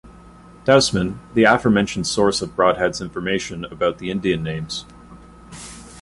Dousman, the aforementioned source of Brodhead's information about the Indian names.